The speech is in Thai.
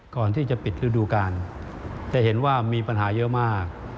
ก่อนที่จะปิดฤดูกาลจะเห็นว่ามีปัญหาเยอะมาก